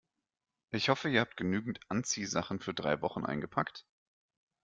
Ich hoffe, ihr habt genügend Anziehsachen für drei Wochen eingepackt.